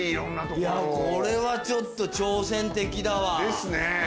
これはちょっと挑戦的だわ。ですね。